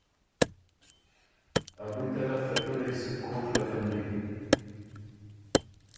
ابی طرف ته پِړئ سُو کوک لکنډی؟“